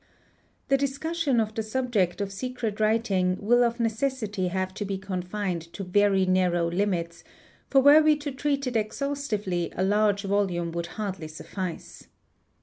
: The discussion of the subject of secret writing will of necessity have _ to be confined to very narrow limits, for were we to treat it exhaustively a large volume would hardly suffice.